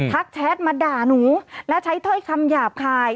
ทักแชทมาด่านูและใช้เท้าให้คำหยาบคาย